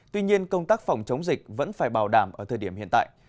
tuy nhiên công tác phòng chống dịch vẫn phải bảo đảm ở thời điểm hiện tại